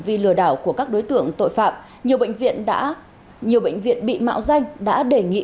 vi lừa đảo của các đối tượng tội phạm nhiều bệnh viện bị mạo danh đã đề nghị